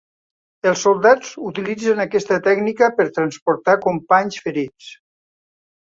Els soldats utilitzen aquesta tècnica per transportar companys ferits.